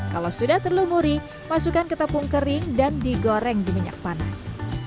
kalau sudah terlumuri masukkan ke tepung kering dan digoreng di minyak panas